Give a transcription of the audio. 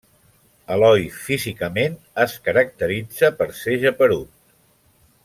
Eloi: físicament, es caracteritza per ser geperut.